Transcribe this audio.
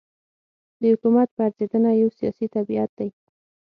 د حکومت پرځېدنه یو سیاسي طبیعت دی.